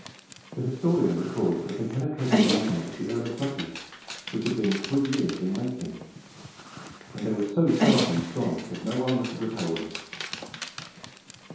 The historian records that they penetrated the armour of the Earl of Douglas, which had been three years in making; and they were "so sharp and strong that no armour could repel them."